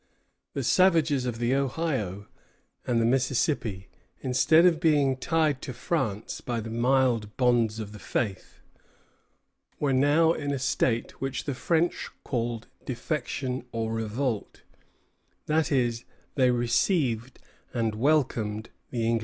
The savages of the Ohio and the Mississippi, instead of being tied to France by the mild bonds of the faith, were now in a state which the French called defection or revolt; that is, they received and welcomed the English traders.